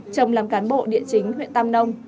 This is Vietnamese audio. chồng làm cán bộ địa chính huyện tam nông